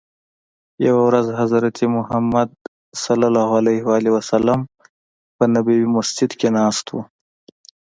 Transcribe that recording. یوه ورځ حضرت محمد په نبوي مسجد کې ناست وو.